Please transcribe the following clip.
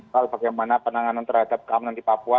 soal bagaimana penanganan terhadap keamanan di papua